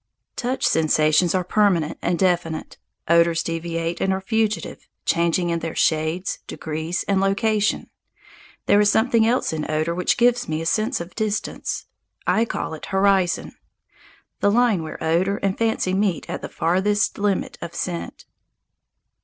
Touch sensations are permanent and definite. Odours deviate and are fugitive, changing in their shades, degrees, and location. There is something else in odour which gives me a sense of distance. I should call it horizon the line where odour and fancy meet at the farthest limit of scent.